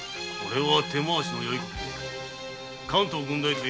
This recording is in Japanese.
これは手回しのよいことで。